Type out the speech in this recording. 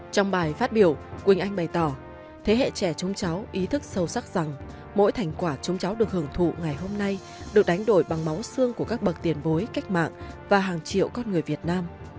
trong bài phát biểu quỳnh anh bày tỏ thế hệ trẻ chúng cháu ý thức sâu sắc rằng mỗi thành quả chúng cháu được hưởng thụ ngày hôm nay được đánh đổi bằng máu xương của các bậc tiền bối cách mạng và hàng triệu con người việt nam